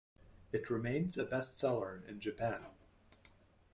It remains a bestseller in Japan.